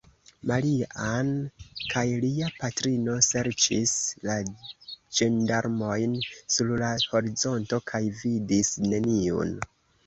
Maria-Ann kaj lia patrino serĉis la ĝendarmojn sur la horizonto, kaj vidis neniun.